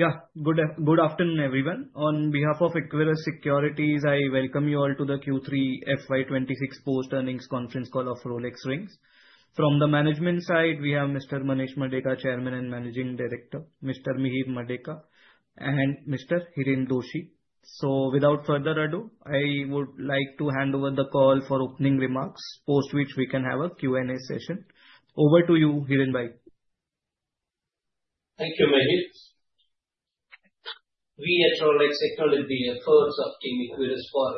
Yeah. Good afternoon, everyone. On behalf of Equirus Securities, I welcome you all to the Q3 FY 2026 post-earnings conference call of Rolex Rings. From the management side, we have Mr. Manesh Dayashankar Madeka, Chairman and Managing Director, Mr. Mihir Rupeshkumar Madeka, and Mr. Hiren Doshi. Without further ado, I would like to hand over the call for opening remarks, post which we can have a Q and A session. Over to you, Hiren bhai. Thank you, Mihir. We at Rolex Rings acknowledge the efforts of Team Equirus for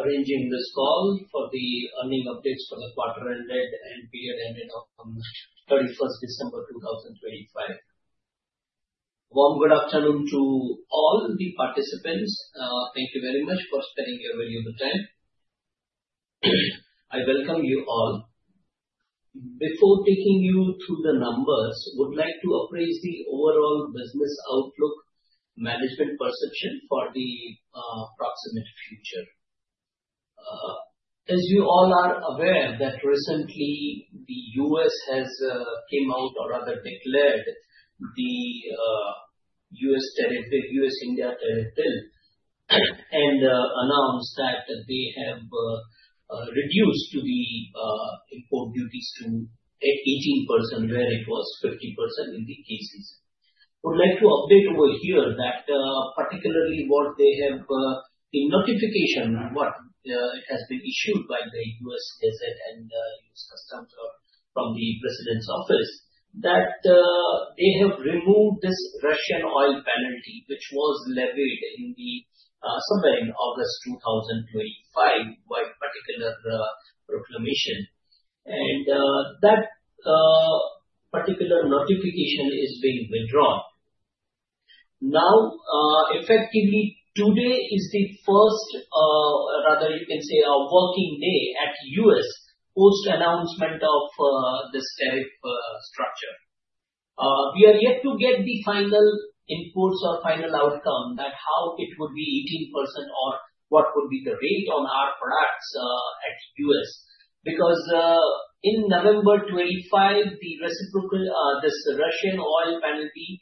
arranging this call for the earning updates for the quarter ended and period ended of 31st December 2025. Warm good afternoon to all the participants. Thank you very much for spending your valuable time. I welcome you all. Before taking you through the numbers, would like to appraise the overall business outlook management perception for the proximate future. As you all are aware that recently the U.S. has came out or rather declared the US-India Bilateral Trade Agreement and announced that they have reduced the import duties to 18%, where it was 50% in the cases. Would like to update over here that, particularly what they have, the notification what, it has been issued by the U.S. Trade Rep and U.S. Customs or from the President's Office, that, they have removed this Russian oil penalty, which was levied in the, somewhere in August 2025 by particular proclamation. That particular notification is being withdrawn. Effectively, today is the first, rather you can say a working day at U.S. post-announcement of this tariff structure. We are yet to get the final imports or final outcome that how it would be 18% or what would be the rate on our products, at U.S. In November 25, the reciprocal, this Russian oil penalty,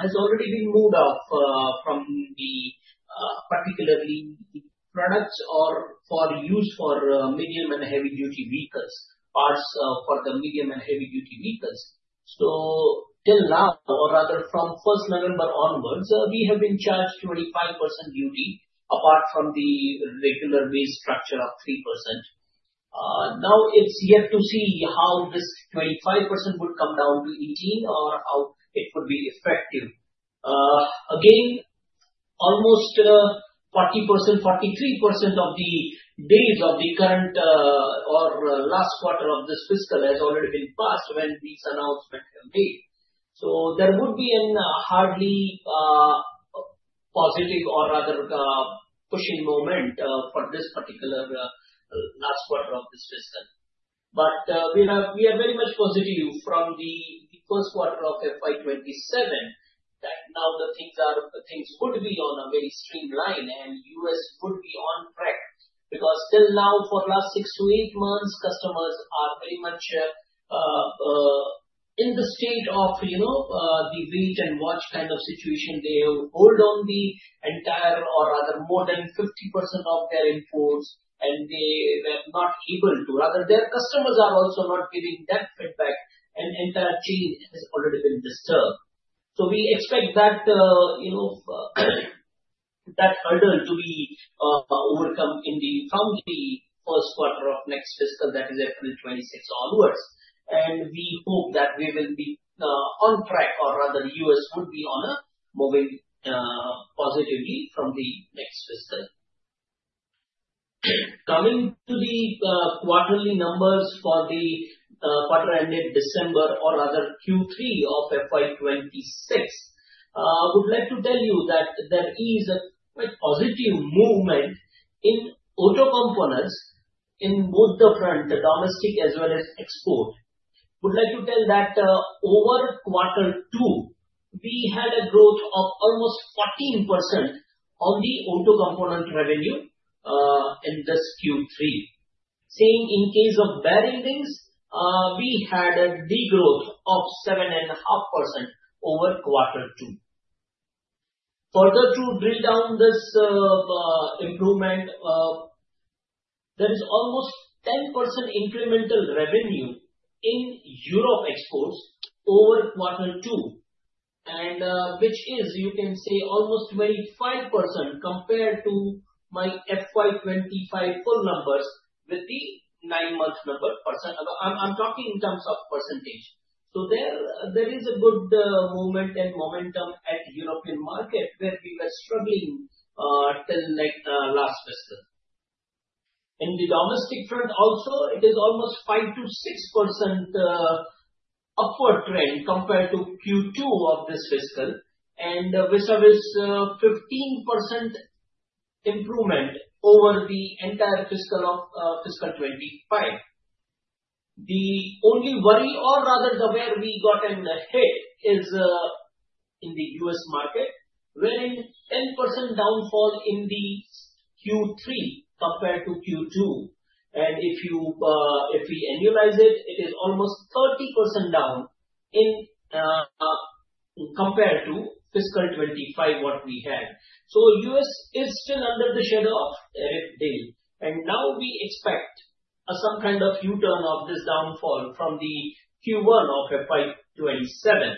has already been moved off from the particularly products or for use for medium and heavy duty vehicles. Parts for the medium and heavy duty vehicles. Till now or rather from November 1 onwards, we have been charged 25% duty apart from the regular base structure of 3%. Now it's yet to see how this 25% would come down to 18% or how it would be effective. Again, almost 40%, 43% of the days of the current or last quarter of this fiscal has already been passed when this announcement have made. There would be an hardly positive or rather pushing moment for this particular last quarter of this fiscal. We are very much positive from the first quarter of FY 2027 that now things could be on a very streamlined and U.S. could be on track. Because till now, for last six to eight months, customers are very much in the state of, you know, the wait and watch kind of situation. They have hold on the entire or rather more than 50% of their imports. Rather, their customers are also not giving them feedback, and entire chain has already been disturbed. We expect that, you know, that hurdle to be overcome from the first quarter of next fiscal, that is FY 2026 onwards. We hope that we will be on track or rather U.S. would be on a moving positively from the next fiscal. Coming to the quarterly numbers for the quarter ended December or rather Q3 of FY 2026, would like to tell you that there is a quite positive movement in auto components in both the front, the domestic as well as export. Would like to tell that over Q2, we had a growth of almost 14% on the auto component revenue in this Q3. Same in case of bearing rings, we had a de-growth of 7.5% over Q2. Further to drill down this improvement, there is almost 10% incremental revenue in Europe exports over quarter two and, which is you can say almost 25% compared to my FY 2025 full numbers with the nine-month number percent. I'm talking in terms of percentage. There is a good movement and momentum at European market where we were struggling till like last fiscal. In the domestic front also, it is almost 5%-6% upward trend compared to Q2 of this fiscal and vis-a-vis 15% improvement over the entire fiscal of fiscal 2025. The only worry or rather the where we got an hit is in the U.S. market, wherein 10% downfall in the Q3 compared to Q2. If you, if we annualize it is almost 30% down compared to fiscal 2025 what we had. U.S. is still under the shadow of RIP day. Now we expect some kind of U-turn of this downfall from the Q1 of FY 2027.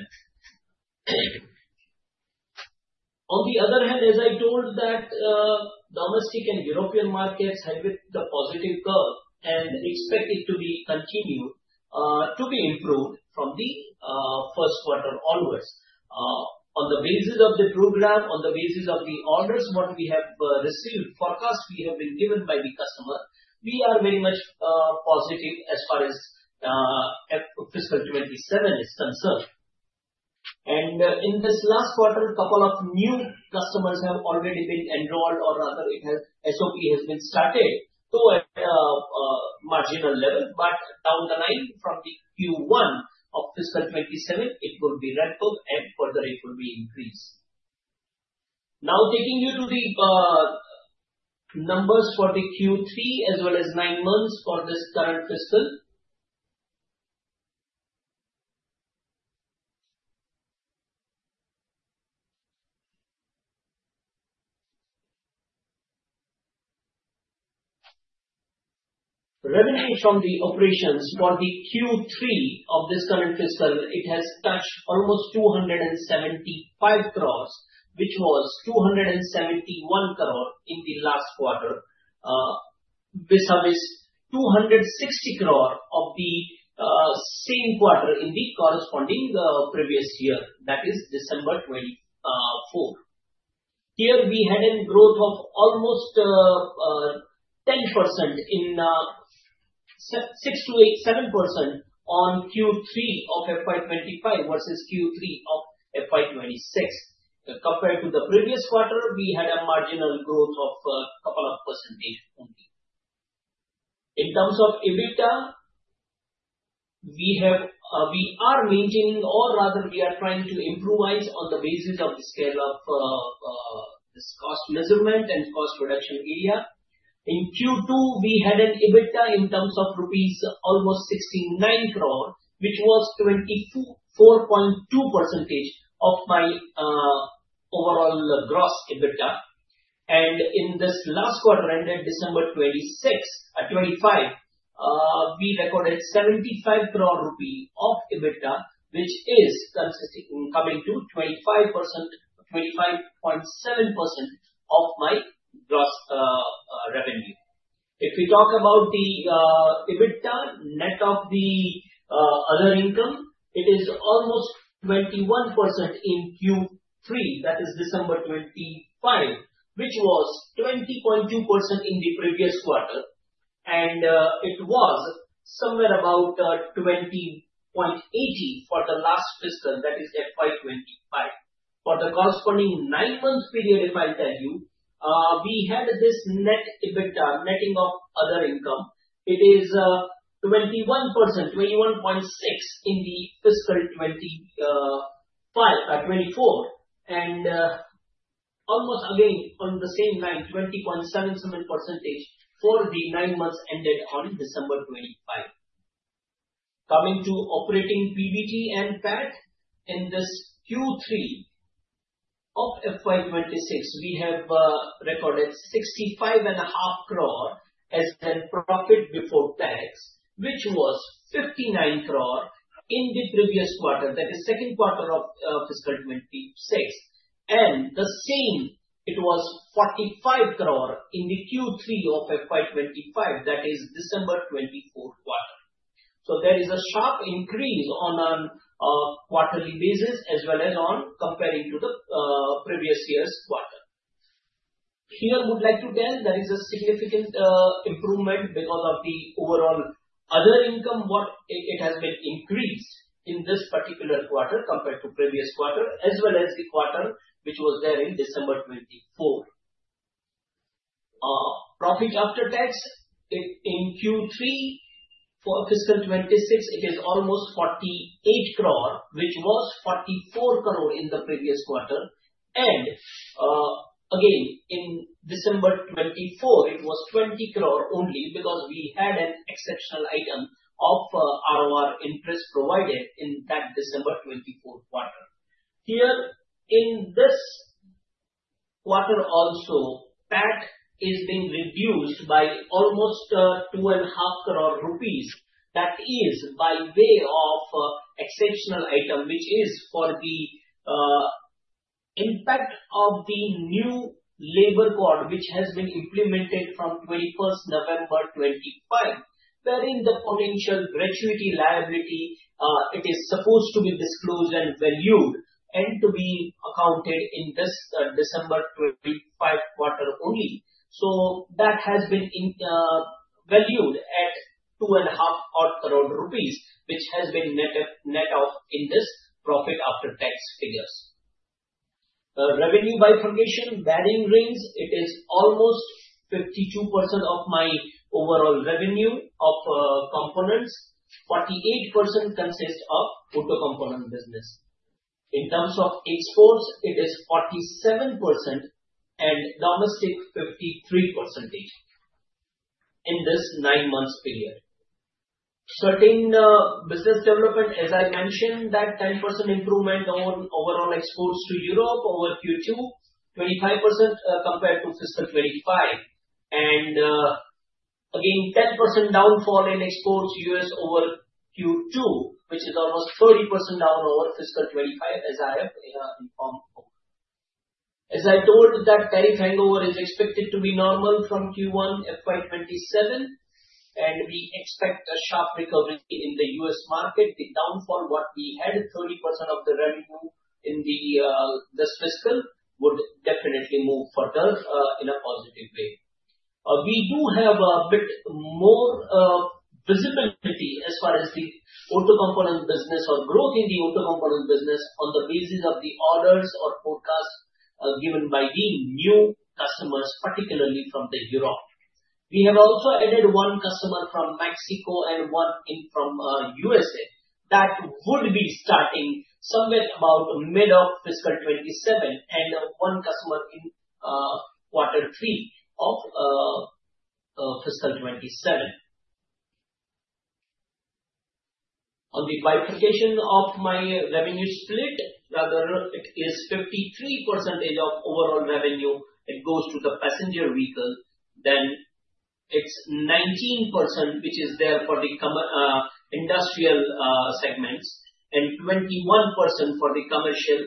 On the other hand, as I told that, domestic and European markets have hit the positive curve and expect it to be continued, to be improved from the first quarter onwards. On the basis of the program, on the basis of the orders, what we have received, forecast we have been given by the customer, we are very much positive as far as fiscal 2027 is concerned. In this last quarter, a couple of new customers have already been enrolled or rather it has SOP has been started to a marginal level. Down the line from the Q1 of fiscal 2027, it will be ramped up and further it will be increased. Taking you to the numbers for the Q3 as well as 9 months for this current fiscal. Revenue from the operations for the Q3 of this current fiscal, it has touched almost 275 crores, which was 271 crore in the last quarter, vis-à-vis 260 crore of the same quarter in the corresponding previous year, that is December 2024. Here we had a growth of almost 10% in 6%-8%, 7% on Q3 of FY 2025 versus Q3 of FY 2026. Compared to the previous quarter, we had a marginal growth of 2 percentage only. In terms of EBITDA, we have, we are maintaining or rather we are trying to improvise on the basis of the scale of this cost measurement and cost reduction area. In Q2, we had an EBITDA in terms of INR almost 69 crore, which was 22, 4.2% of my overall gross EBITDA. In this last quarter ended December 2026, 2025, we recorded 75 crore rupee of EBITDA, which is coming to 25%, 25.7% of my gross revenue. If we talk about the EBITDA net of the other income, it is almost 21% in Q3, that is December 2025, which was 20.2% in the previous quarter. It was somewhere about 20.80% for the last fiscal, that is FY 2025. For the corresponding nine months period, if I tell you, we had this net EBITDA netting of other income. It is 21%, 21.6% in the fiscal 2025, 2024. Almost again on the same line, 20.77% for the nine months ended on December 2025. Coming to operating PBT and PAT, in this Q3 of FY 2026, we have recorded 65 and a half crore as a profit before tax, which was 59 crore in the previous quarter, that is second quarter of fiscal 2026. The same, it was 45 crore in the Q3 of FY 2025, that is December 2024 quarter. There is a sharp increase on a quarterly basis as well as on comparing to the previous year's quarter. Here I would like to tell there is a significant improvement because of the overall other income, what it has been increased in this particular quarter compared to previous quarter as well as the quarter which was there in December 2024. Profit after tax in Q3 for fiscal 2026, it is almost 48 crore, which was 44 crore in the previous quarter. Again, in December 2024, it was 20 crore only because we had an exceptional item of ROR interest provided in that December 2024 quarter. Here in this quarter also, PAT is being reduced by almost 2.5 crore rupees, that is by way of exceptional item, which is for the impact of the New Labour Codes, which has been implemented from 21st November 2025. Bearing the potential gratuity liability, it is supposed to be disclosed and valued and to be accounted in this December 2025 quarter only. That has been valued at 2.5 odd crore, which has been net off in this profit after tax figures. Revenue bifurcation, bearing rings, it is almost 52% of my overall revenue of components. 48% consists of auto component business. In terms of exports, it is 47% and domestic 53% in this 9 months period. Certain business development, as I mentioned, that 10% improvement on overall exports to Europe over Q2, 25% compared to fiscal 2025. Again, 10% downfall in exports U.S. over Q2, which is almost 30% down over fiscal 2025, as I have informed before. As I told that tariff hangover is expected to be normal from Q1 FY 2027, and we expect a sharp recovery in the U.S. market. The downfall what we had, 30% of the revenue in this fiscal would definitely move further in a positive way. We do have a bit more visibility as far as the auto component business or growth in the auto component business on the basis of the orders or forecast given by the new customers, particularly from Europe. We have also added one customer from Mexico and one in from U.S.A. That would be starting somewhere about mid of fiscal 2027 and one customer in quarter 3 of fiscal 2027. On the bifurcation of my revenue split, rather it is 53% of overall revenue, it goes to the passenger vehicle. It's 19%, which is there for the industrial segments and 21% for the commercial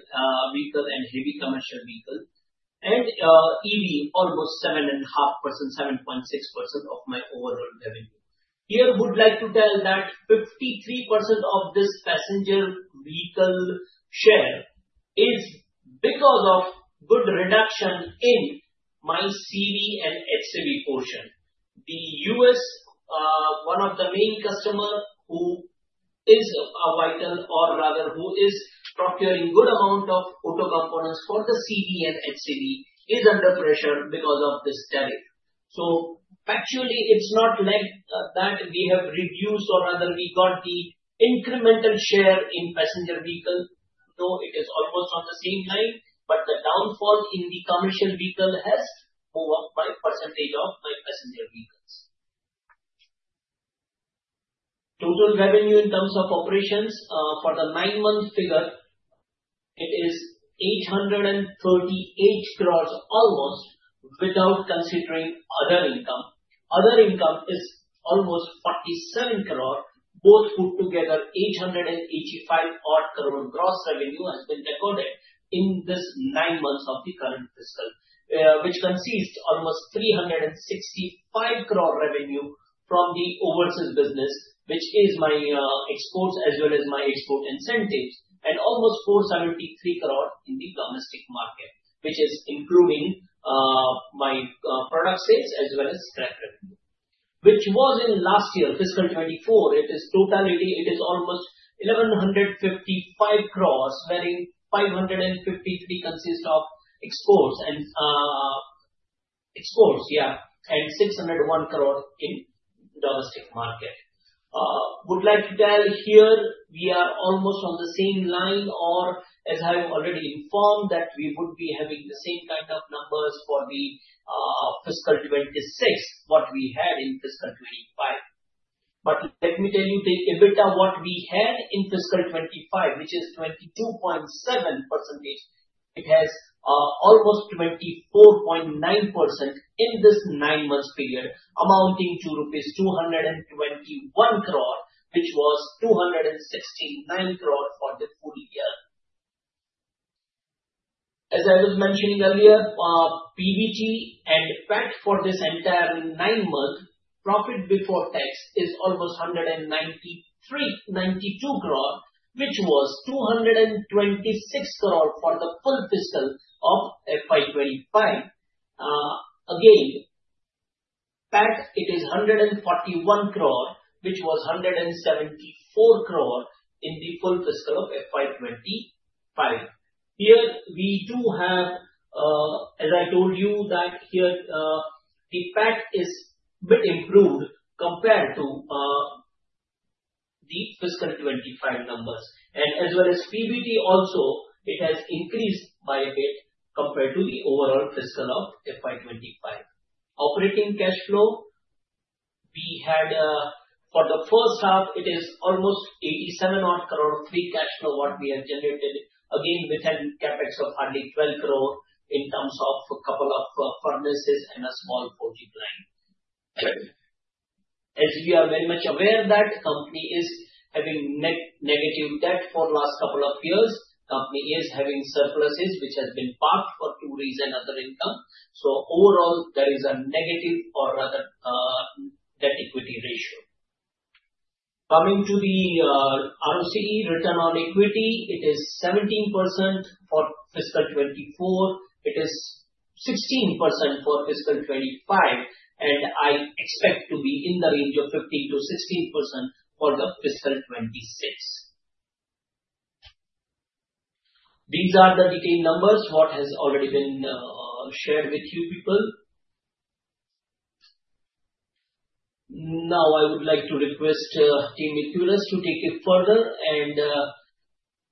vehicle and heavy commercial vehicle. EV almost 7.5%, 7.6% of my overall revenue. Here, I would like to tell that 53% of this passenger vehicle share is because of good reduction in my CV and HCV portion. The U.S., one of the main customer who is a vital or rather who is procuring good amount of auto components for the CV and HCV is under pressure because of this tariff. Factually, it's not like that we have reduced or rather we got the incremental share in passenger vehicle, though it is almost on the same line, but the downfall in the commercial vehicle has moved up by percentage of my passenger vehicles. Total revenue in terms of operations, for the 9-month figure, it is 838 crore almost without considering other income. Other income is almost 47 crore. Both put together, 885 odd crore gross revenue has been recorded in this nine months of the current fiscal. Which consists almost 365 crore revenue from the overseas business, which is my exports as well as my export incentives, and almost 473 crore in the domestic market, which is including my product sales as well as scrap revenue. Which was in last year, fiscal 2024, it is totality it is almost 1,155 crores, wherein 553 consist of exports and exports, yeah, and 601 crore in domestic market. Would like to tell here we are almost on the same line or as I have already informed that we would be having the same kind of numbers for the fiscal 2026, what we had in fiscal 2025. Let me tell you the EBITDA what we had in fiscal 2025, which is 22.7%. It has, almost 24.9% in this 9 months period, amounting to rupees 221 crore, which was 269 crore for the full- year. As I was mentioning earlier, PBT and PAT for this entire 9-month profit before tax is almost 193 92 crore, which was 226 crore for the full fiscal of FY 2025. Again, PAT it is 141 crore, which was 174 crore in the full fiscal of FY 2025. Here we do have, as I told you that here, the PAT is bit improved compared to, the fiscal 2025 numbers. As well as PBT also, it has increased by a bit compared to the overall fiscal of FY 2025. Operating cash flow, we had for the first half, it is almost 87 odd crore free cash flow what we have generated, again, with an CapEx of hardly 12 crore in terms of a couple of furnaces and a small coating line. As you are very much aware that company is having net negative debt for last couple of years. Company is having surpluses, which has been parked for two reason other income. Overall, there is a negative or rather, debt equity ratio. Coming to the ROCE, return on equity, it is 17% for fiscal 2024, it is 16% for fiscal 2025, and I expect to be in the range of 15%-16% for the fiscal 2026. These are the detailed numbers what has already been shared with you people. I would like to request team Equirus to take it further and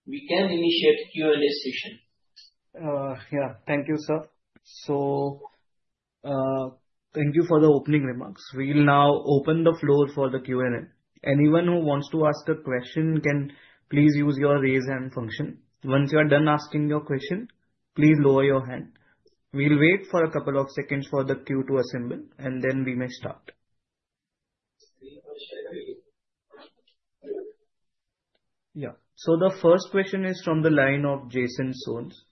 we can initiate Q and A session. Thank you, sir. Thank you for the opening remarks. We will now open the floor for the Q and A. Anyone who wants to ask a question can please use your raise hand function. Once you are done asking your question, please lower your hand. We will wait for a couple of seconds for the queue to assemble and then we may start. The first question is from the line of Jason Souls.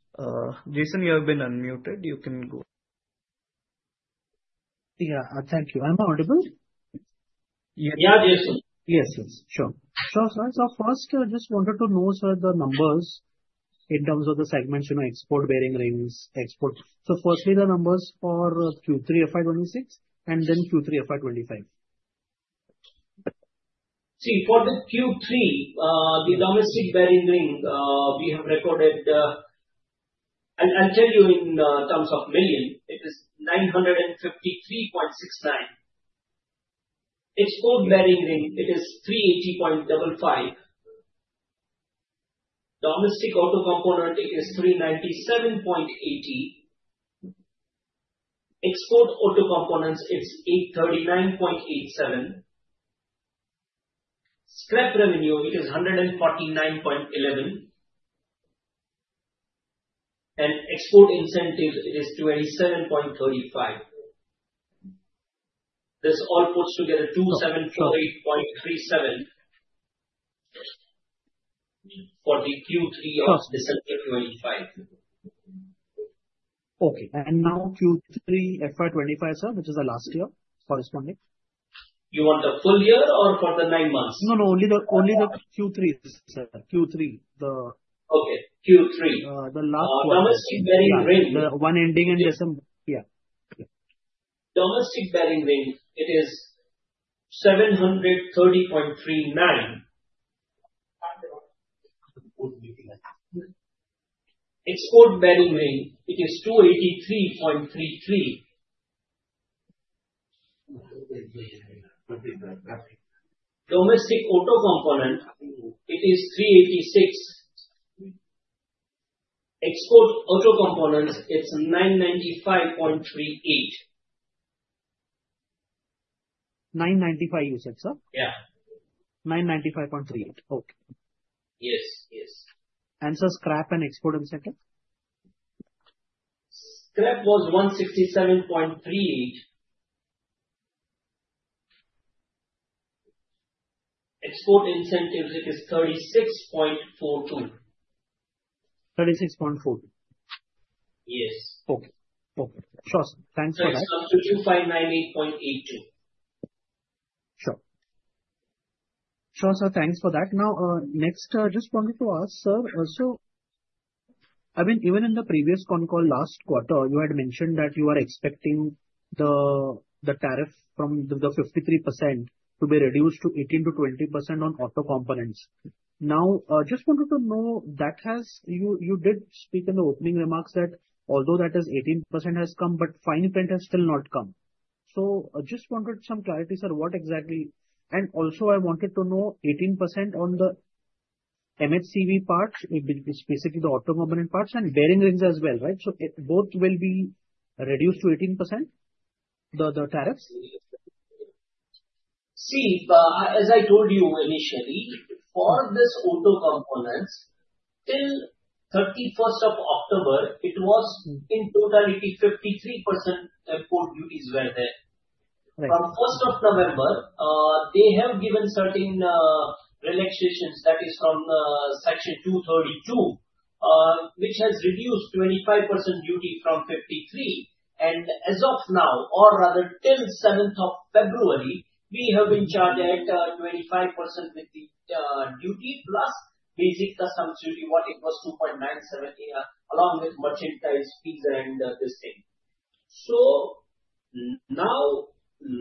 Jason, you have been unmuted. You can go. Yeah. Thank you. I'm audible? Yeah, Jason. Yes. Sure. First, just wanted to know, sir, the numbers in terms of the segments, you know, export bearing rings, export. Firstly, the numbers for Q3 FY 2026 and then Q3 FY 2025. See, for the Q3, the domestic bearing ring, we have recorded I'll tell you in terms of million. It is 953.69 million. Export bearing ring, it is 380.55 million. Domestic auto component, it is INR 397.80 million. Export auto components, it's 839.87 million. Scrap revenue, it is 149.11 million. Export incentive, it is 27.35 million. This all puts together 27.37 million for the Q3 of December 2025. Okay. Now Q3 FY 2025, sir, which is the last year corresponding. You want the full- year or for the nine months? No, no. Only the Q3, sir. Q3. Okay, Q3. The last one. Domestic bearing ring- The one ending in December. Yeah. Yeah. Domestic bearing ring, it is INR 730.39. Export bearing ring, it is INR 283.33. Domestic auto component, it is 386. Export auto components, it's 995.38. 995 you said, sir? Yeah. 995.38. Okay. Yes, yes. Sir, scrap and export incentive? Scrap was INR 167.38. Export incentives, it is 36.42. 36.42. Yes. Okay. Okay. Sure, sir. Thanks for that. It comes to 2,598.82. Sure. Sure, sir. Thanks for that. Next, just wanted to ask, sir, I mean, even in the previous con call last quarter, you had mentioned that you are expecting the tariff from the 53% to be reduced to 18%-20% on auto components. Just wanted to know that You did speak in the opening remarks that although that is 18% has come, fine print has still not come. Just wanted some clarity, sir, what exactly. Also I wanted to know 18% on the MHCV parts, it's basically the auto component parts and bearing rings as well, right? Both will be reduced to 18%, the tariffs? See, as I told you initially, for this auto components, till 31st of October, it was in totality 53% import duties were there. Right. From 1st of November, they have given certain relaxations, that is from Section 232, which has reduced 25% duty from 53. As of now, or rather till 7th of February, we have been charged at 25% with the duty plus basic customs duty what it was 2.97, along with merchandise fees and this thing. Now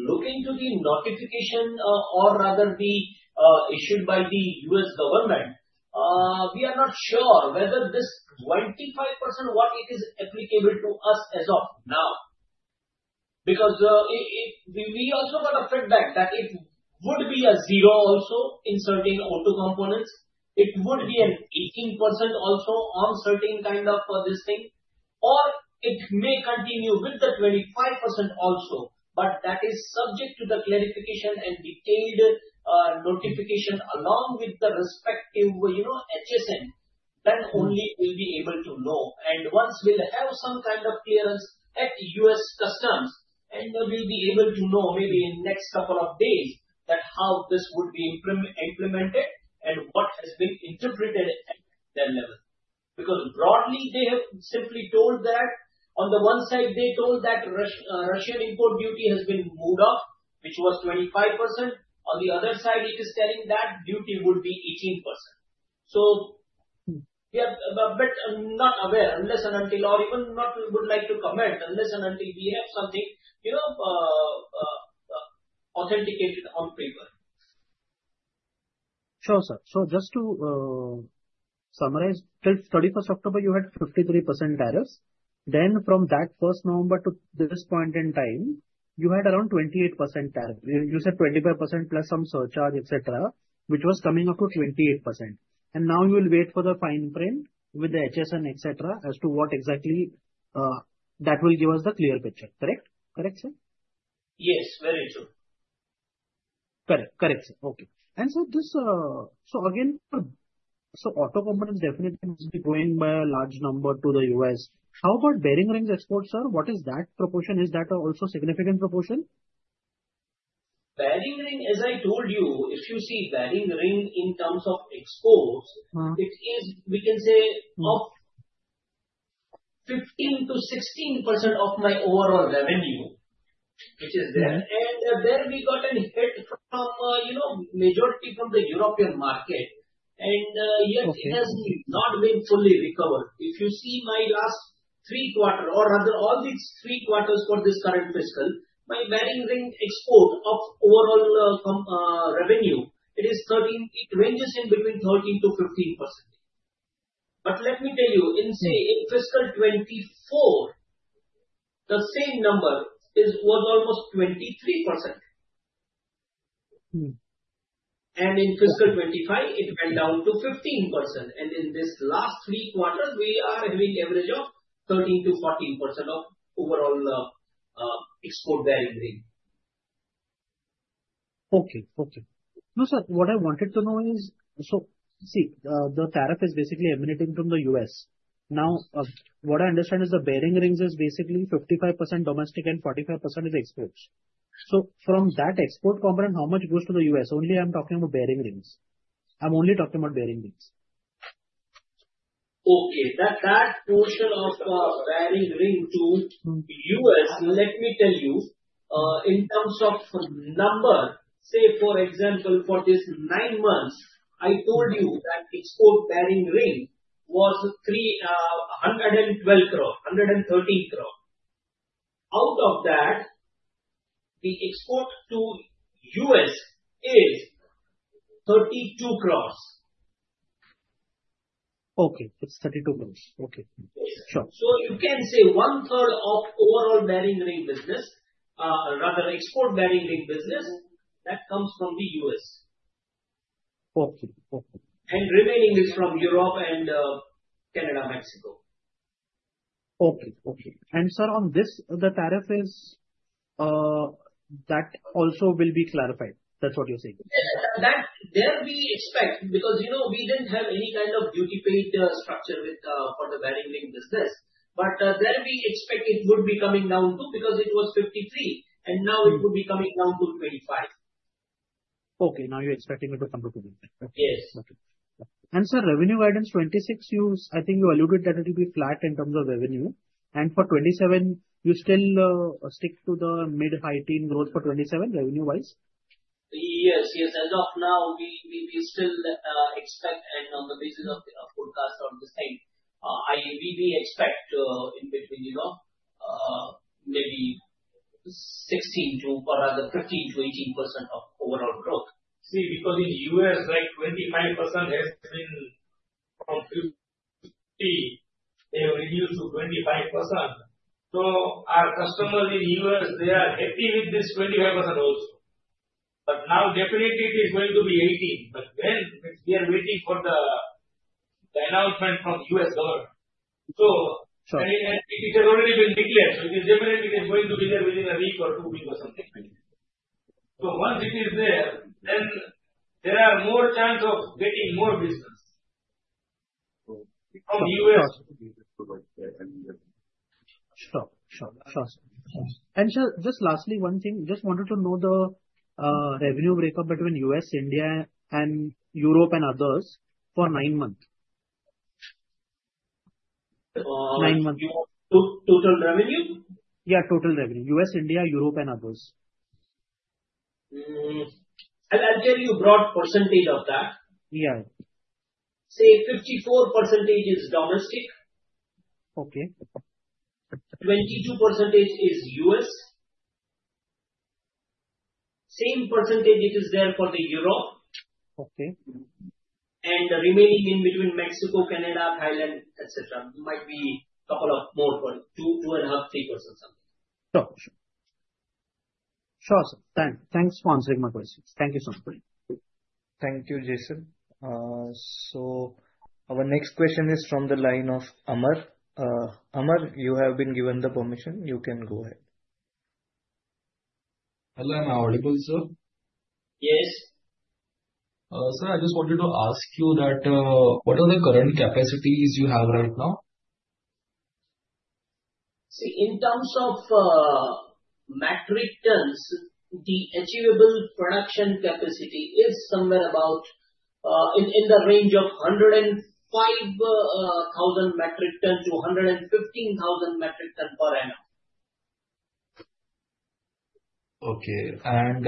looking to the notification, or rather the issued by the U.S. government, we are not sure whether this 25% what it is applicable to us as of now. We also got a feedback that it would be a zero also in certain auto components. It would be an 18% also on certain kind of this thing. It may continue with the 25% also, but that is subject to the clarification and detailed notification along with the respective, you know, HSN. Only we'll be able to know. Once we'll have some kind of clearance at U.S. Customs and we'll be able to know maybe in next couple of days that how this would be implemented and what has been interpreted at their level. Broadly, they have simply told that on the one side they told that Russian import duty has been moved off, which was 25%. On the other side, it is telling that duty would be 18%. We are a bit, not aware unless and until or even not we would like to comment unless and until we have something, you know, authenticated on paper. Sure, sir. Just to summarize, till 31st October you had 53% tariffs. From that 1st November to this point in time, you had around 28% tariff. You said 25% plus some surcharge, et cetera, which was coming up to 28%. Now you will wait for the fine print with the HSN, et cetera, as to what exactly that will give us the clear picture. Correct? Correct, sir? Yes, very true. Correct, sir. Okay. This, again, auto component definitely must be going by a large number to the U.S. How about bearing rings exports, sir? What is that proportion? Is that also significant proportion? Bearing ring, as I told you, if you see bearing ring in terms of exports. it is, we can say, of 15%-16% of my overall revenue, which is there. There we got a hit from, you know, majority from the European market. Okay. It has not been fully recovered. If you see my last three quarter, or rather all these three quarters for this current fiscal, my bearing ring export of overall from revenue, it is 13%. It ranges in between 13%-15%. Let me tell you, in say, fiscal 2024, the same number was almost 23%. In fiscal 2025, it went down to 15%. In this last three quarters, we are having average of 13%-14% of overall export bearing ring. Okay. Okay. No, sir, what I wanted to know is, the tariff is basically emanating from the U.S. What I understand is the bearing rings is basically 55% domestic and 45% is exports. From that export component, how much goes to the U.S.? Only I'm talking about bearing rings. I'm only talking about bearing rings. Okay. That, that portion of bearing ring to U.S., let me tell you, in terms of number, say for example, for this nine months, I told you that export bearing ring was 312 crore, 113 crore. Out of that, the export to U.S. is 32 crore. Okay. It's 32 crores. Okay. Sure. You can say one-third of overall bearing ring business, rather export bearing ring business, that comes from the U.S. Okay. Okay. Remaining is from Europe and, Canada, Mexico. Okay. Okay. sir, on this, the tariff is, that also will be clarified, that's what you're saying? Yes. That, there we expect. You know, we didn't have any kind of duty paid structure with for the bearing ring business. There we expect it would be coming down too, because it was 53%, and now it would be coming down to 25%. Okay. Now you're expecting it to come to 25. Yes. Okay. Sir, revenue guidance 2026, you, I think you alluded that it will be flat in terms of revenue. For 2027, you still stick to the mid-high teen growth for 2027 revenue-wise? Yes, yes. As of now, we still expect and on the basis of forecast of the same, we expect in between, you know, maybe 16% to, or rather 15%-18% of overall growth. Because in U.S., like, 25% has been from 50, they have reduced to 25%. Our customers in U.S., they are happy with this 25% also. Now definitely it is going to be 18. When? We are waiting for the announcement from U.S. government. Sure. It has already been declared, so it is definitely going to be there within a week or two weeks or something. Once it is there, then there are more chance of getting more business from U.S. Sure. Sure, sir. Sure. Sir, just lastly, one thing. Just wanted to know the revenue breakup between U.S., India, and Europe and others for nine month. Uh- Nine month. Total revenue? Yeah, total revenue. U.S., India, Europe and others. I'll tell you broad percentage of that. Yeah. Say 54% is domestic. Okay. 22% is U.S. Same % it is there for Europe. Okay. The remaining in between Mexico, Canada, Thailand, et cetera, might be couple of more, two and a half, 3% something. Sure. Sure. Sure, sir. Thanks for answering my questions. Thank you so much. Thank you, Jason. Our next question is from the line of Amar. Amar, you have been given the permission. You can go ahead. Hello. Good morning, sir. Yes. Sir, I just wanted to ask you that, what are the current capacities you have right now? See, in terms of, metric tons, the achievable production capacity is somewhere about, in the range of 105,000 metric ton to 115,000 metric ton per annum. Okay.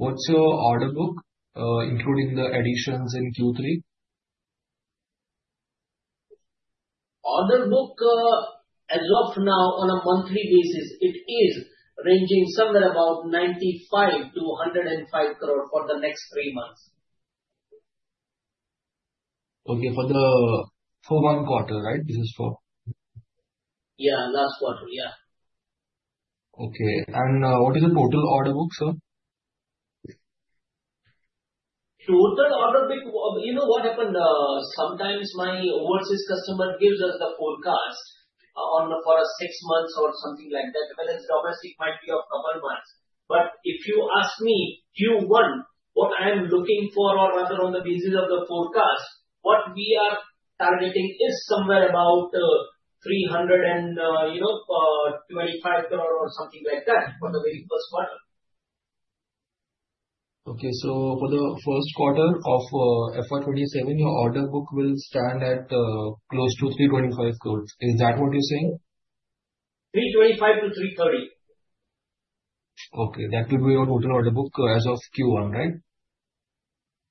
What's your order book, including the additions in Q3? Order book, as of now on a monthly basis, it is ranging somewhere about 95 crore-105 crore for the next three months. Okay. For the one quarter, right? Yeah, last quarter. Yeah. Okay. What is the total order book, sir? Total order book. You know what happened? Sometimes my overseas customer gives us the forecast for a six months or something like that, whereas domestic might be of couple months. If you ask me, Q1, what I'm looking for or rather on the basis of the forecast, what we are targeting is somewhere about 325 crore or something like that for the very first quarter. Okay. for the first quarter of FY 2027, your order book will stand at close to 325 crores. Is that what you're saying? Three twenty-five to three thirty. Okay. That will be your total order book as of Q1, right?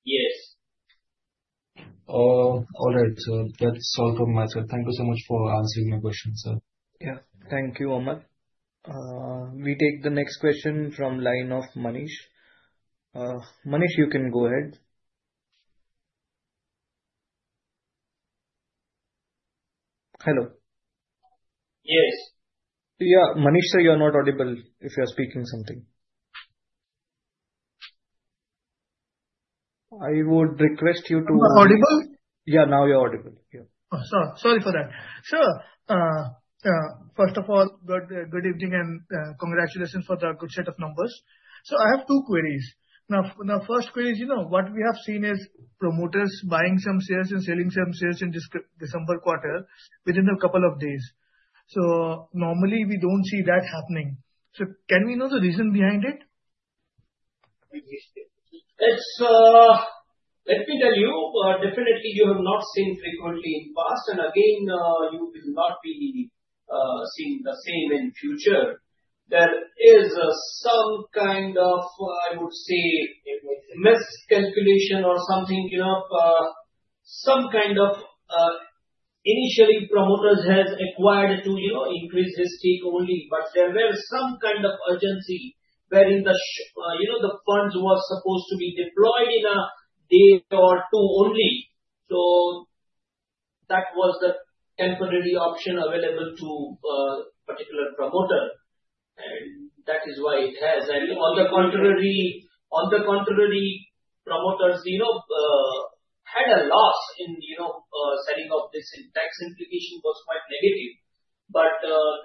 Yes. All right, sir. That's all from my side. Thank you so much for answering my questions, sir. Yeah. Thank you, Amar. We take the next question from line of Manish. Manish, you can go ahead. Hello. Yes. Yeah. Manish, sir, you're not audible if you are speaking something. I would request you to- Am I audible? Yeah, now you're audible. Yeah. Sorry for that. Sir, first of all, good evening and congratulations for the good set of numbers. I have two queries. First query is, you know, what we have seen is promoters buying some shares and selling some shares in December quarter within a couple of days. Normally, we don't see that happening. Can we know the reason behind it? It's, let me tell you, definitely you have not seen frequently in past and again, you will not be seeing the same in future. There is some kind of, I would say, a miscalculation or something, you know. Initially, promoters has acquired to, you know, increase his stake only, but there were some kind of urgency wherein the funds were supposed to be deployed in a day or 2 only. That was the temporary option available to particular promoter, and that is why it has. On the contrary, promoters, you know, had a loss in, you know, selling of this, and tax implication was quite negative.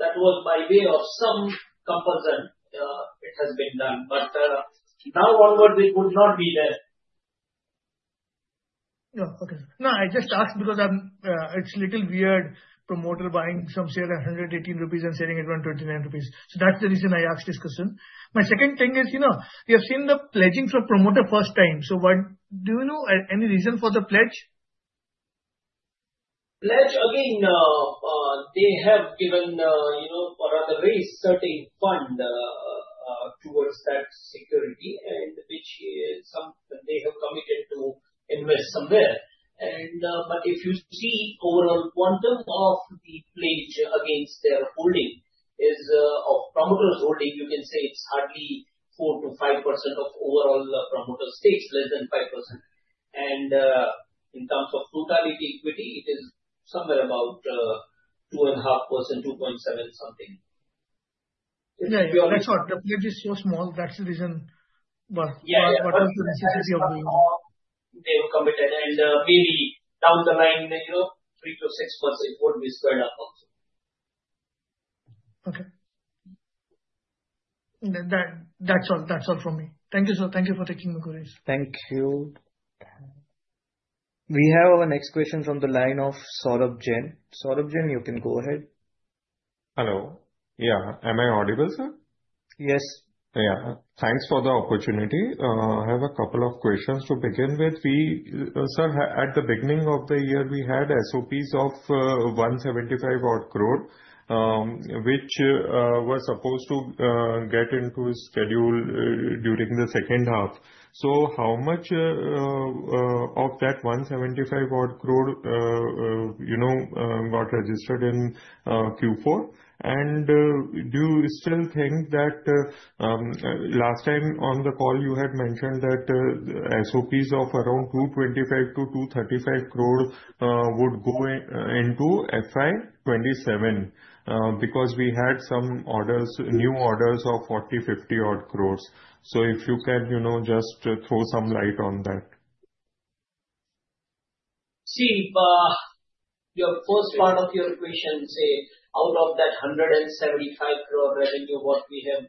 That was by way of some compulsion, it has been done. Now onward it would not be there. No. Okay. No, I just asked because it's little weird promoter buying some share at 118 rupees and selling it 129 rupees. That's the reason I asked this question. My second thing is, you know, we have seen the pledging for promoter first time. What Do you know any reason for the pledge? Pledge, again, they have given, you know, or rather raised certain fund towards that security which is some they have committed to invest somewhere. But if you see overall quantum of the pledge against their holding is of promoter's holding, you can say it's hardly 4%-5% of overall promoter stakes, less than 5%. In terms of totality equity, it is somewhere about 2.5%, 2.7 something. Yeah, that's what. Definitely it is so small, that's the reason. Yeah. What is the necessity of doing? They have committed. Maybe down the line, you know, 3 to 6 months it would be squared up also. Okay. That's all from me. Thank you, sir. Thank you for taking my queries. Thank you. We have our next question from the line of Saurabh Jain. Saurabh Jain, you can go ahead. Hello. Yeah. Am I audible, sir? Yes. Yeah. Thanks for the opportunity. I have a couple of questions to begin with. Sir, at the beginning of the year, we had SOPs of 175 odd crore, which was supposed to get into schedule during the second half. How much of that 175 odd crore, you know, got registered in Q4? Do you still think that last time on the call you had mentioned that SOPs of around 225-235 crore would go into FY 2027? Because we had some orders, new orders of 40, 50 odd crores. If you can, you know, just throw some light on that. See, your first part of your question say out of that 175 crore revenue what we have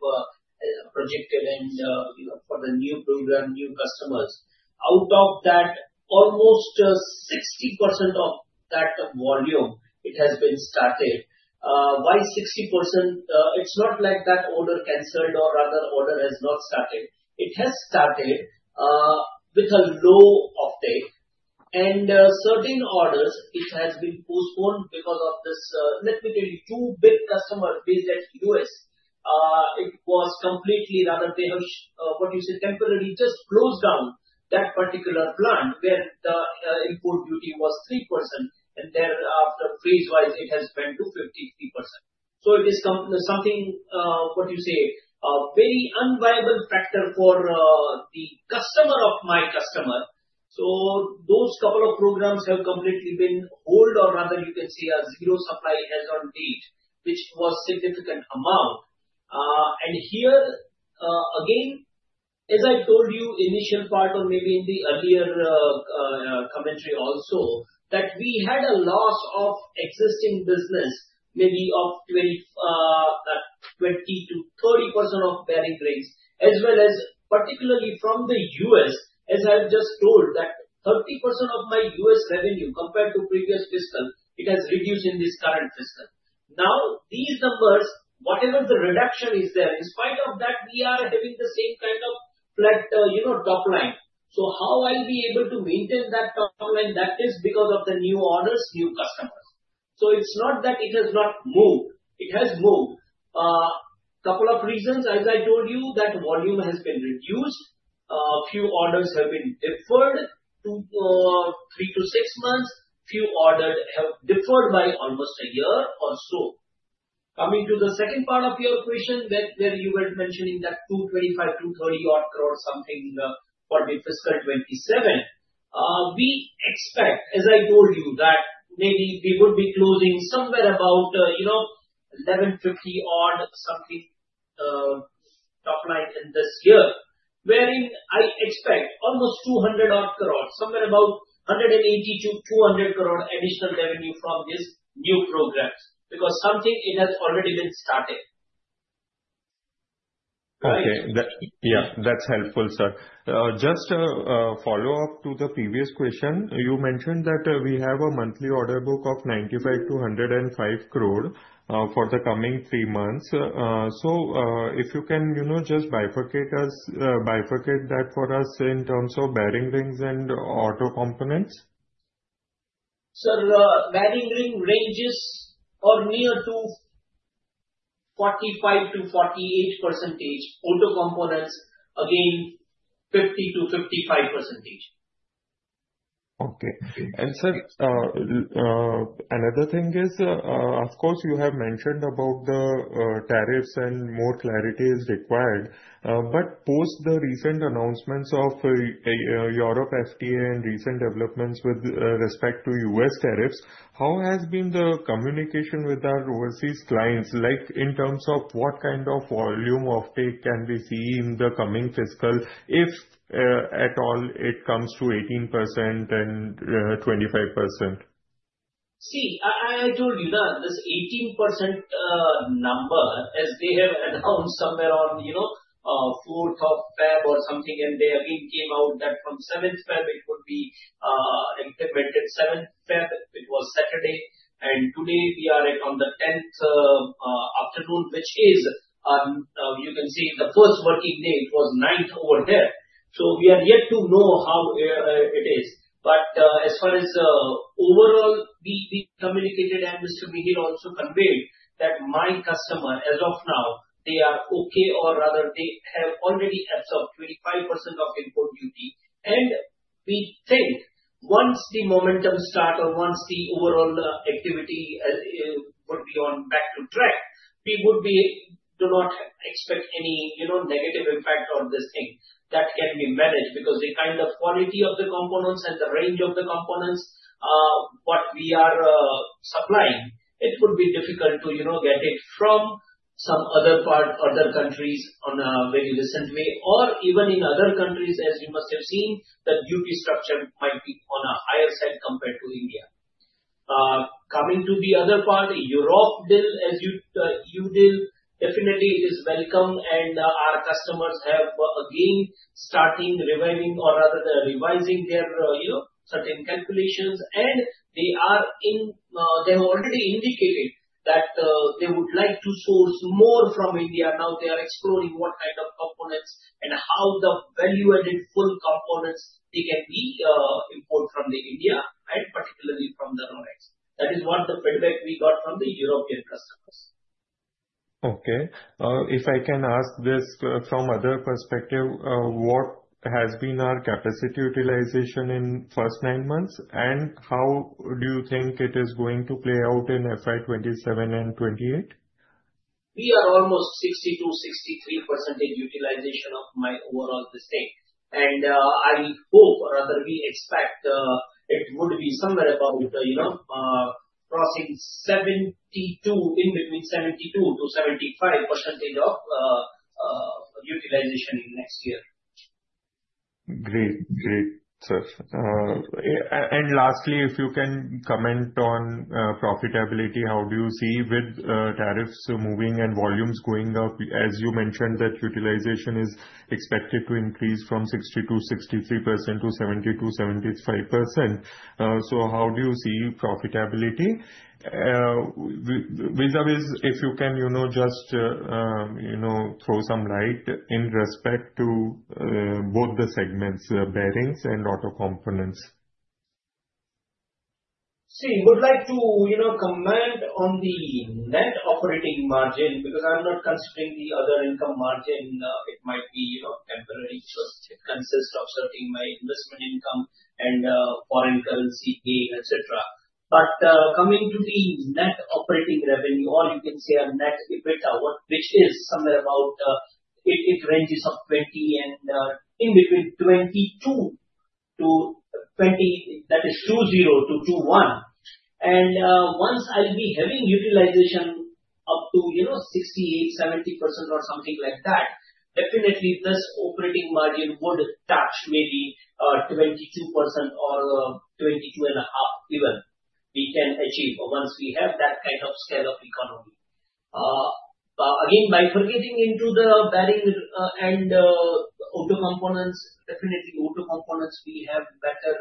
projected and, you know, for the new program, new customers. Out of that almost, 60% of that volume it has been started. Why 60%? It's not like that order canceled or rather order has not started. It has started with a low off take. And certain orders it has been postponed. Let me tell you, two big customer base at U.S., it was completely rather they have, what you say, temporarily just closed down that particular plant where the import duty was 3%, and thereafter phase-wise it has went to 53%. It is something, what you say, very unviable factor for the customer of my customer. Those couple of programs have completely been held or rather you can say a zero supply as on date, which was significant amount. Here, again, as I told you initial part or maybe in the earlier commentary also, that we had a loss of existing business maybe of 20%-30% of bearing rings as well as particularly from the U.S., as I've just told that 30% of my U.S. revenue compared to previous fiscal, it has reduced in this current fiscal. These numbers, whatever the reduction is there, in spite of that, we are having the same kind of flat, you know, top line. How I'll be able to maintain that top line? That is because of the new orders, new customers. It's not that it has not moved. It has moved. Couple of reasons, as I told you, that volume has been reduced. Few orders have been deferred 2, 3 to 6 months. Few orders have deferred by almost a year or so. Coming to the second part of your question where you were mentioning that 225 crore-230 crore odd something for the fiscal 2027. We expect, as I told you, that maybe we would be closing somewhere about, you know, 1,150 odd something top line in this year, wherein I expect almost 200 crore odd, somewhere about 180 crore-200 crore additional revenue from these new programs, because something it has already been started. Okay. Yeah, that's helpful, sir. Just a follow-up to the previous question. You mentioned that we have a monthly order book of 95 crore-105 crore for the coming three months. If you can, you know, just bifurcate us, bifurcate that for us in terms of bearing rings and auto components. Sir, bearing ring ranges are near to 45%-48%. Auto components again 50%-55%. Okay. Sir, another thing is, of course, you have mentioned about the tariffs and more clarity is required, post the recent announcements of India-EU FTA and recent developments with respect to U.S. tariffs, how has been the communication with our overseas clients? Like in terms of what kind of volume offtake can we see in the coming fiscal if at all it comes to 18% and 25%? See, I told you that this 18% number as they have announced somewhere on, you know, 4th of February or something, and they again came out that from 7th February it would be implemented 7th February, it was Saturday. Today we are on the 10th afternoon, which is, you can say the first working day. It was 9th over there. We are yet to know how it is. As far as overall, we communicated and Mr. Mihir also conveyed that my customer, as of now, they are okay or rather they have already absorbed 25% of import duty. We think once the momentum start or once the overall activity would be on back to track, we do not expect any, you know, negative impact on this thing. That can be managed because the kind of quality of the components and the range of the components, what we are supplying, it would be difficult to, you know, get it from some other part, other countries on a very decent way. Or even in other countries, as you must have seen, the duty structure might be on a higher side compared to India. Coming to the other part, Europe deal as you deal definitely is welcome and our customers have again starting reviving or rather revising their, you know, certain calculations and they are in, they've already indicated that they would like to source more from India. Now they are exploring what kind of components and how the value added full components they can be import from the India and particularly from Rolex Rings. That is what the feedback we got from the European customers. Okay. If I can ask this from other perspective, what has been our capacity utilization in first nine months and how do you think it is going to play out in FY 2027 and 2028? We are almost 60%-63% utilization of my overall this thing. I hope or rather we expect, it would be somewhere about, you know, crossing 72, in between 72%-75% of utilization in next year. Great. Great, sir. Lastly, if you can comment on profitability, how do you see with tariffs moving and volumes going up? As you mentioned that utilization is expected to increase from 60%-63% to 70%-75%. How do you see profitability with the biz, if you can, you know, just throw some light in respect to both the segments, bearings and auto components. See, would like to, you know, comment on the net operating margin, because I'm not considering the other income margin. It might be, you know, temporary. It consists of certain investment income and foreign currency pay, et cetera. Coming to the net operating revenue or you can say our net EBITDA, which is somewhere about, it ranges of 20 and, in between 22%-20%, that is 20%-21%. Once I'll be having utilization up to, you know, 60%, 80%, 70% or something like that, definitely this operating margin would touch maybe 22% or 22.5 even. We can achieve once we have that kind of scale of economy. Again, getting into the bearing and auto components, definitely auto components we have better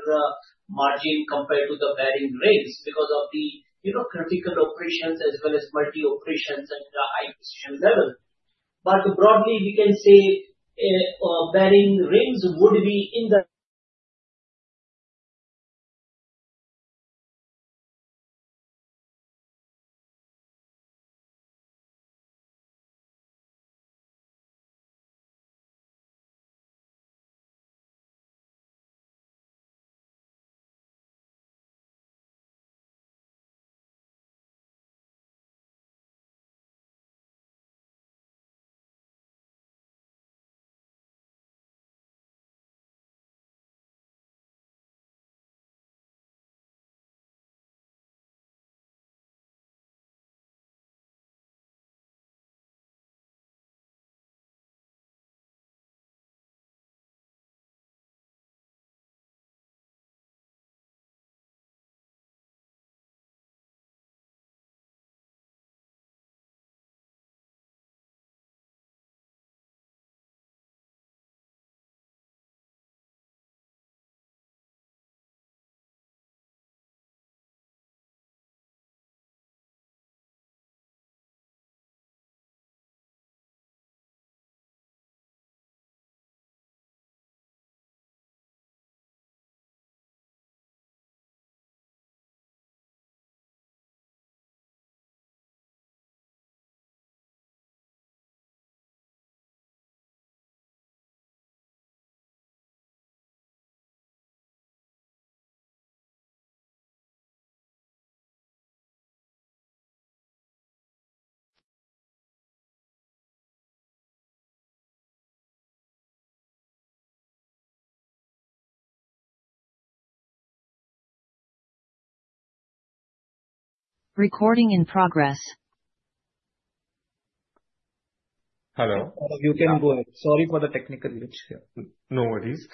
margin compared to the bearing rings because of the, you know, critical operations as well as multi operations at a high precision level. Broadly we can say. Recording in progress. Hello? You can go ahead. Sorry for the technical glitch here. No worries.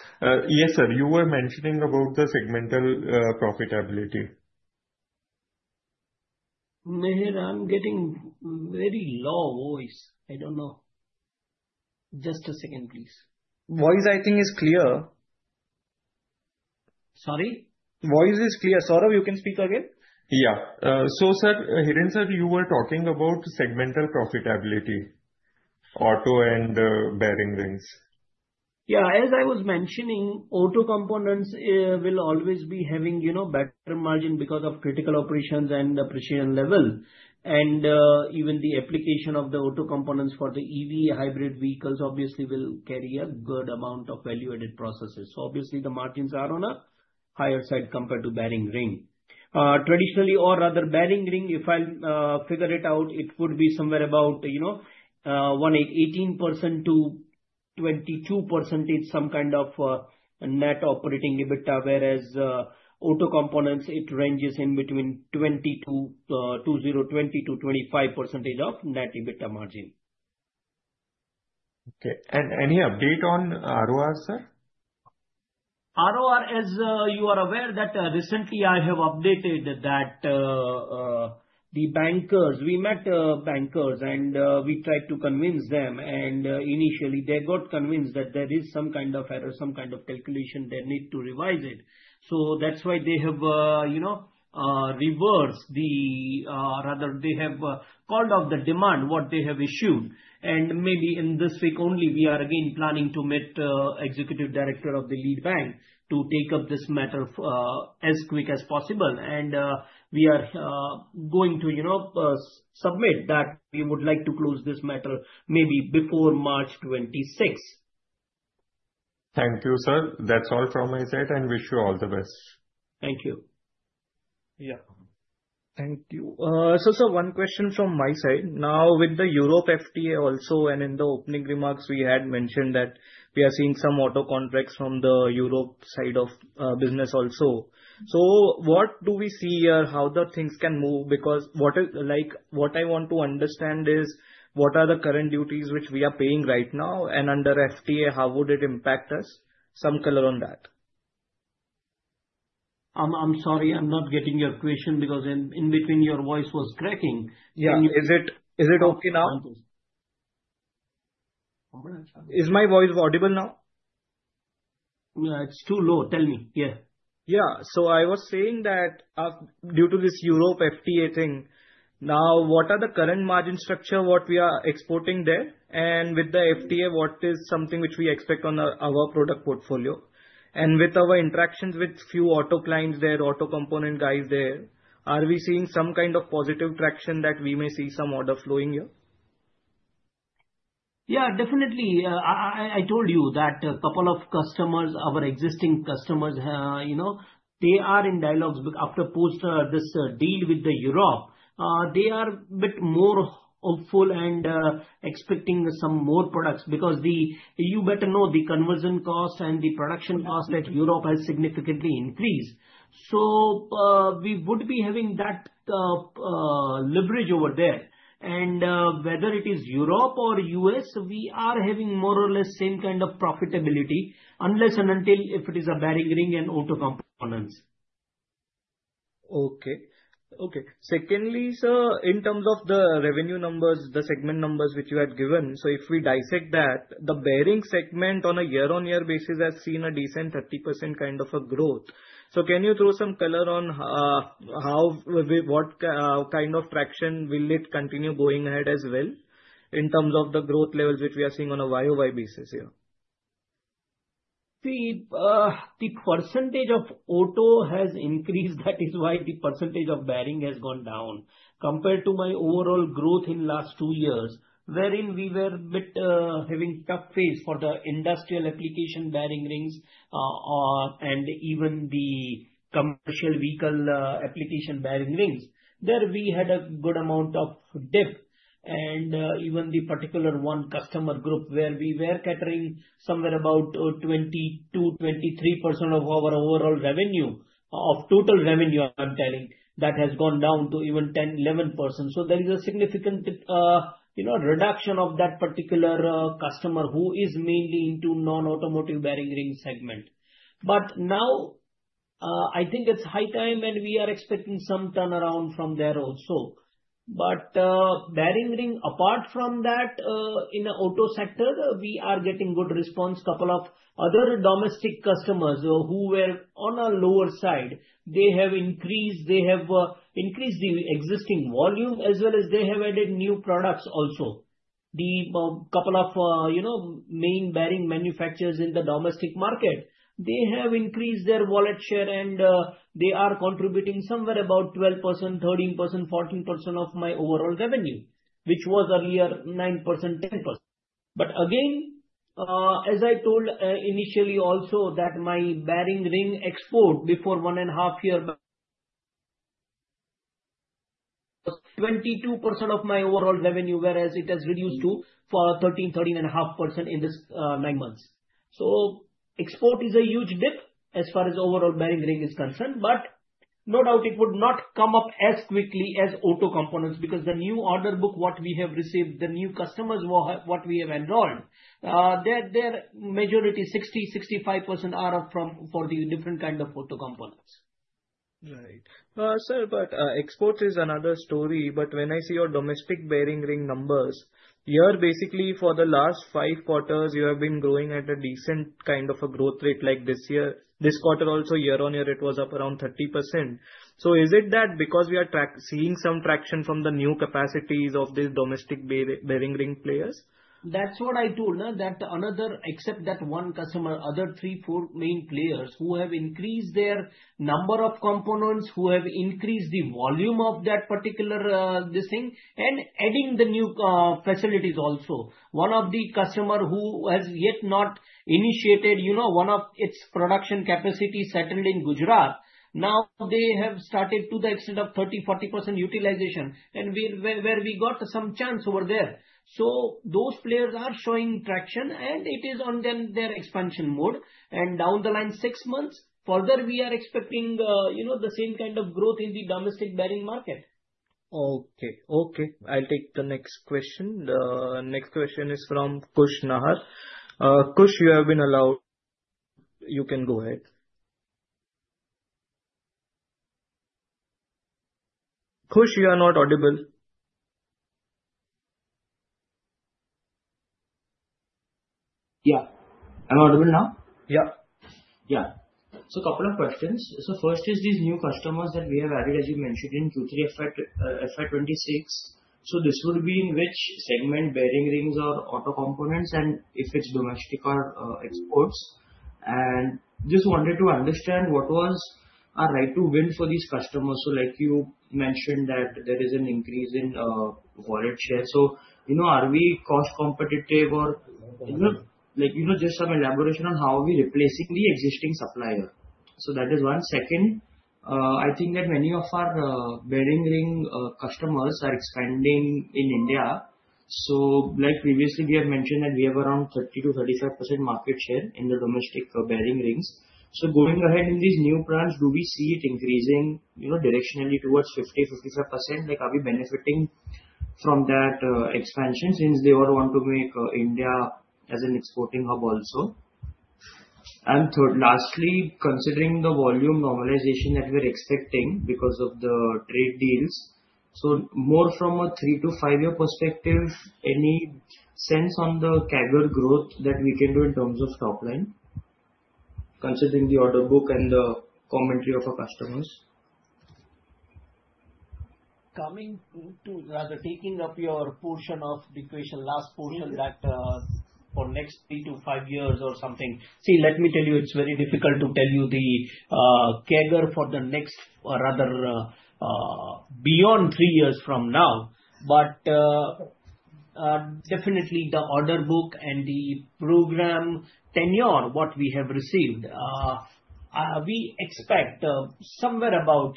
Yes, sir, you were mentioning about the segmental profitability. Mihir Madeka, I'm getting very low voice. I don't know. Just a second, please. Voice I think is clear. Sorry? Voice is clear. Saurabh, you can speak again. Yeah. sir, Hiren Doshi, sir, you were talking about segmental profitability, auto and bearing rings. Yeah. As I was mentioning, auto components, will always be having, you know, better margin because of critical operations and the precision level. Even the application of the auto components for the EV hybrid vehicles obviously will carry a good amount of value-added processes. Obviously the margins are on a higher side compared to bearing ring. Traditionally or rather bearing ring, if I'll figure it out, it would be somewhere about, you know, 18% to 22% some kind of net operating EBITDA, whereas auto components, it ranges in between 20% to 25% of net EBITDA margin. Okay. Any update on ROR, sir? ROR, as you are aware that recently I have updated that the bankers we met and we tried to convince them. Initially they got convinced that there is some kind of error, some kind of calculation they need to revise it. That's why they have, you know, reversed the rather they have called off the demand, what they have issued. Maybe in this week only we are again planning to meet executive director of the lead bank to take up this matter as quick as possible. We are going to, you know, submit that we would like to close this matter maybe before March 26. Thank you, sir. That's all from my side, and wish you all the best. Thank you. Yeah. Thank you. Sir, one question from my side. Now, with the India-EU FTA also and in the opening remarks we had mentioned that we are seeing some auto contracts from the Europe side of business also. What do we see here how the things can move? Because what I want to understand is what are the current duties which we are paying right now, and under FTA, how would it impact us? Some color on that. I'm sorry, I'm not getting your question because in between your voice was cracking. Yeah. Is it okay now? Is my voice audible now? No, it's too low. Tell me. Yeah. I was saying that, due to this India-EU FTA thing, now what are the current margin structure what we are exporting there? With the FTA, what is something which we expect on our product portfolio? With our interactions with few auto clients there, auto component guys there, are we seeing some kind of positive traction that we may see some order flowing here? Definitely. I told you that a couple of customers, our existing customers, you know, they are in dialogues with after post this deal with the Europe. They are bit more hopeful and expecting some more products because the You better know the conversion cost and the production cost at Europe has significantly increased. We would be having that leverage over there. Whether it is Europe or U.S., we are having more or less same kind of profitability unless and until if it is a bearing ring and auto components. Okay. Okay. Secondly, sir, in terms of the revenue numbers, the segment numbers which you had given, so if we dissect that, the bearing segment on a year-over-year basis has seen a decent 30% kind of a growth. Can you throw some color on how what kind of traction will it continue going ahead as well in terms of the growth levels which we are seeing on a YOY basis here? The percentage of auto has increased, that is why the percentage of bearing has gone down. Compared to my overall growth in last two years, wherein we were bit having tough phase for the industrial application bearing rings and even the commercial vehicle application bearing rings. There we had a good amount of dip and even the particular one customer group where we were catering somewhere about 20%-23% of our overall revenue, of total revenue I'm telling, that has gone down to even 10%, 11%. There is a significant, you know, reduction of that particular customer who is mainly into non-automotive bearing ring segment. Now, I think it's high time and we are expecting some turnaround from there also. Bearing ring, apart from that, in the auto sector, we are getting good response. Couple of other domestic customers who were on a lower side, they have increased. They have increased the existing volume as well as they have added new products also. Couple of, you know, main bearing manufacturers in the domestic market, they have increased their wallet share and they are contributing somewhere about 12%, 13%, 14% of my overall revenue, which was earlier 9%, 10%. Again, as I told initially also that my bearing ring export before 1.5 year back was 22% of my overall revenue, whereas it has reduced to 13%, 13.5% in this nine months. Export is a huge dip as far as overall bearing ring is concerned, but no doubt it would not come up as quickly as auto components because the new order book, what we have received, the new customers what we have enrolled, their majority 60%, 65% are, from, for the different kind of auto components. Right. sir, but, exports is another story, but when I see your domestic bearing ring numbers, you're basically for the last five quarters, you have been growing at a decent kind of a growth rate like this year. This quarter also year-on-year it was up around 30%. Is it that because we are seeing some traction from the new capacities of the domestic bearing ring players? That's what I told, that another except that one customer, other 3, 4 main players who have increased their number of components, who have increased the volume of that particular, this thing, and adding the new facilities also. One of the customer who has yet not initiated, you know, one of its production capacity settled in Gujarat, now they have started to the extent of 30%, 40% utilization, and where we got some chance over there. Those players are showing traction, and it is on them their expansion mode. Down the line six months further, we are expecting, you know, the same kind of growth in the domestic bearing market. Okay, I'll take the next question. Next question is from Kush Nahar. Kush, you have been allowed. You can go ahead. Kush, you are not audible. Yeah. I'm audible now? Yeah. Yeah. Couple of questions. First is these new customers that we have added, as you mentioned in Q3 FY 2026, this will be in which segment, bearing rings or auto components, and if it's domestic or exports? And just wanted to understand what was right to win for these customers. Like you mentioned that there is an increase in wallet share. You know, are we cost competitive or, you know, like, you know, just some elaboration on how are we replacing the existing supplier. That is one. Second, I think that many of our bearing ring customers are expanding in India. Like previously we have mentioned that we have around 30%-35% market share in the domestic bearing rings. Going ahead in these new plants, do we see it increasing, you know, directionally towards 50%-55%? Like, are we benefiting from that expansion since they all want to make India as an exporting hub also? Third, lastly, considering the volume normalization that we're expecting because of the trade deals, so more from a three to five year perspective, any sense on the CAGR growth that we can do in terms of top line, considering the order book and the commentary of our customers? Coming to Rather, taking up your portion of the question, last portion that, for next three to five years or something, let me tell you, it's very difficult to tell you the CAGR for the next or rather, beyond three years from now. Definitely the order book and the program tenure, what we have received, we expect somewhere about,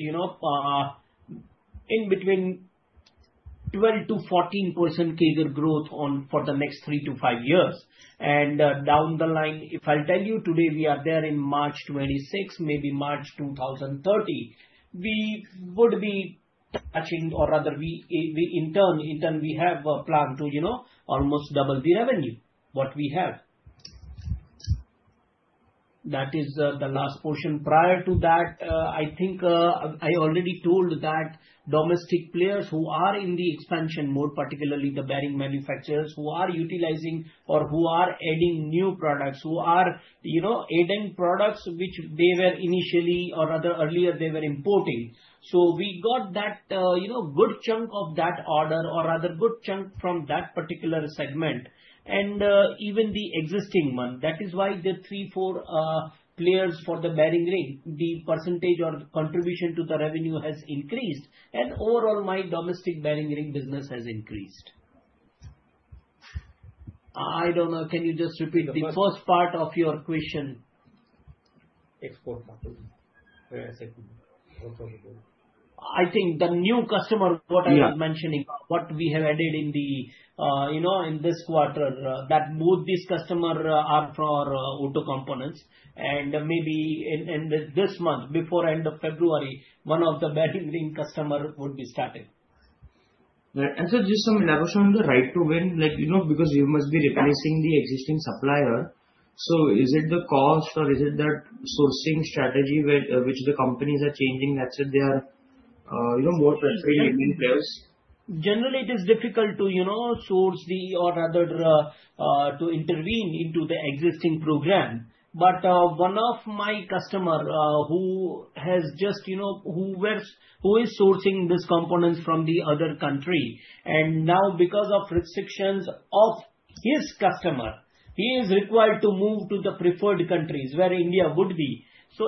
you know, in between 12%-14% CAGR growth on for the next three to five years. Down the line, if I tell you today we are there in March 2026, maybe March 2030, we would be touching or rather we in turn have a plan to, you know, almost double the revenue what we have. That is the last portion. Prior to that, I think, I already told that domestic players who are in the expansion mode, particularly the bearing manufacturers who are utilizing or who are adding new products, who are, you know, adding products which they were initially or rather earlier they were importing. We got that, you know, good chunk of that order or rather good chunk from that particular segment and even the existing one. That is why the 3, 4 players for the bearing ring, the percentage or contribution to the revenue has increased and overall my domestic bearing ring business has increased. I don't know. Can you just repeat the first part of your question? Export market, where I said I think the new customer what I was mentioning, what we have added in the, you know, in this quarter, that both these customer are for auto components and maybe in this month, before end of February, one of the bearing ring customer would be starting. Just some leverage on the right to win, like, you know, because you must be replacing the existing supplier. Is it the cost or is it that sourcing strategy where, which the companies are changing that's why they are, you know, more trustworthy in players? Generally, it is difficult to, you know, source the or rather, to intervene into the existing program. One of my customer, who has just, you know, who is sourcing these components from the other country, and now because of restrictions of his customer, he is required to move to the preferred countries where India would be.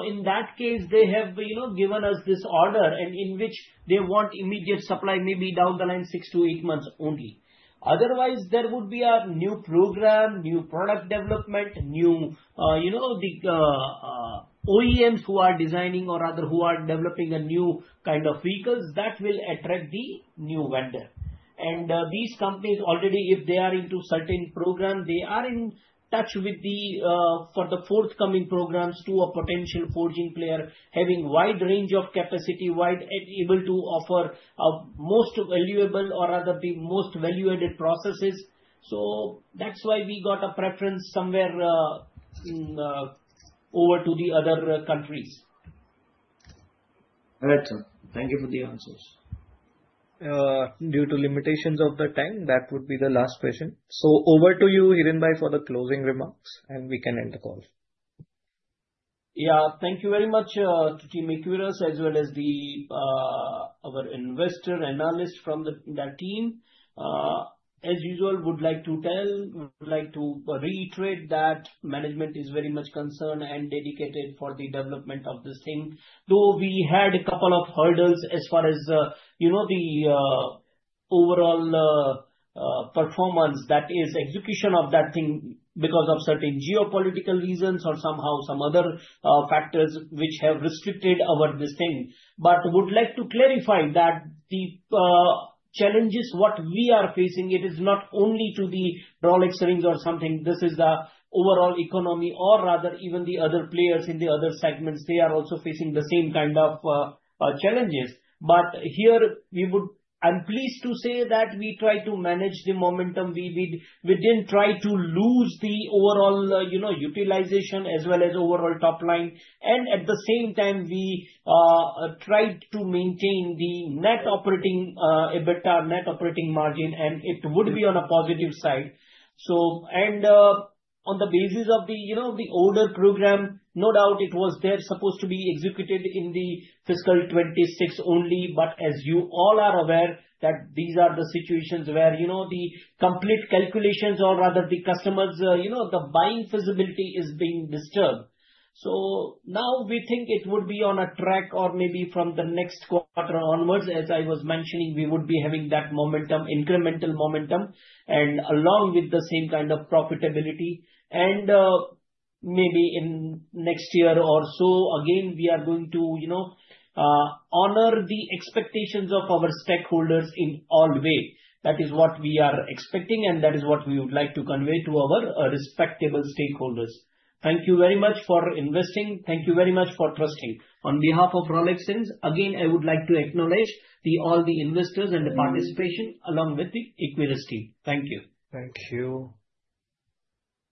In that case, they have, you know, given us this order and in which they want immediate supply, maybe down the line 6-8 months only. Otherwise, there would be a new program, new product development, new, you know, the OEMs who are designing or rather who are developing a new kind of vehicles that will attract the new vendor. These companies already if they are into certain program, they are in touch with the for the forthcoming programs to a potential forging player, having wide range of capacity, wide and able to offer a most valuable or rather the most value-added processes. That's why we got a preference somewhere in over to the other countries. All right, sir. Thank you for the answers. Due to limitations of the time, that would be the last question. Over to you, Hiren bhai, for the closing remarks, and we can end the call. Thank you very much to Team Equirus, as well as the our investor analyst from the that team. As usual, would like to reiterate that management is very much concerned and dedicated for the development of this thing. We had a couple of hurdles as far as, you know, the overall performance, that is execution of that thing because of certain geopolitical reasons or somehow some other factors which have restricted our this thing. Would like to clarify that the challenges what we are facing, it is not only to the Rolex Rings or something, this is the overall economy or rather even the other players in the other segments, they are also facing the same kind of challenges. I'm pleased to say that we try to manage the momentum. We didn't try to lose the overall, you know, utilization as well as overall top line. At the same time, we tried to maintain the net operating EBITDA net operating margin, and it would be on a positive side. On the basis of the, you know, the older program, no doubt it was there supposed to be executed in the fiscal 2026 only, but as you all are aware that these are the situations where, you know, the complete calculations or rather the customers, you know, the buying feasibility is being disturbed. Now we think it would be on a track or maybe from the next quarter onwards, as I was mentioning, we would be having that momentum, incremental momentum, and along with the same kind of profitability. Maybe in next year or so, again, we are going to, you know, honor the expectations of our stakeholders in all way. That is what we are expecting, and that is what we would like to convey to our respectable stakeholders. Thank you very much for investing. Thank you very much for trusting. On behalf of Rolex Rings, again, I would like to acknowledge all the investors and the participation along with the Equirus team. Thank you. Thank you.